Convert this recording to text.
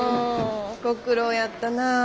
ご苦労やったな。